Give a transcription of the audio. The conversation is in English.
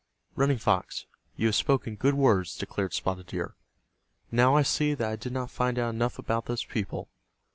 "Running Fox, you have spoken good words," declared Spotted Deer. "Now I see that I did not find out enough about those people.